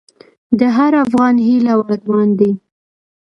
د هر افغان هیله او ارمان دی؛